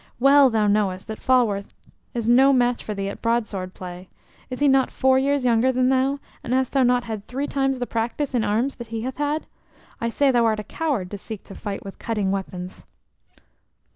"Well thou knowest that Falworth is no match for thee at broadsword play. Is he not four years younger than thou, and hast thou not had three times the practice in arms that he hath had? I say thou art a coward to seek to fight with cutting weapons."